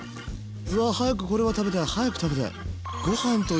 うわ早くこれは食べたい早く食べたい。